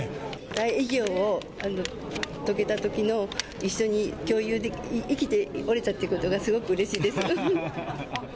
大偉業を遂げたときの、一緒に共有、生きておれたということがすごくうれしいです。